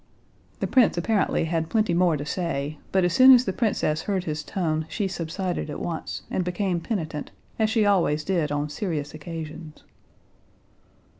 The prince apparently had plenty more to say, but as soon as the princess heard his tone she subsided at once, and became penitent, as she always did on serious occasions.